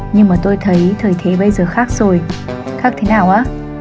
nhưng mà tôi thấy thời thế bây giờ khác rồi khác thế nào ạ